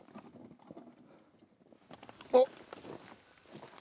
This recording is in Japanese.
あっ！